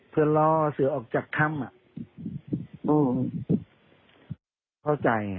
เพื่อล่อเสือออกจากค่ำอ่ะอืมเข้าใจไง